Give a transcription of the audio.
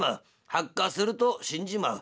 白化すると死んじまう。